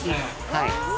はい。